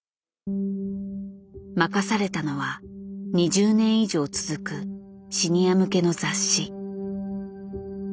任されたのは２０年以上続くシニア向けの雑誌。